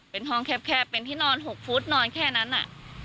เป็นห้องแคบเป็นที่นอน๖ฟุตนอนแค่นั้นน่ะ